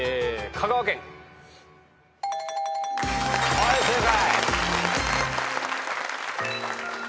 はい正解。